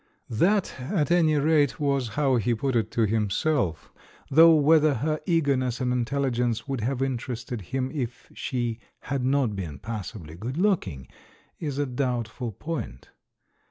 That, at any rate, was how he put it to himself, though whether her eagerness and intelhgence would have interested him if she had not been passably good looking is a doubtful point.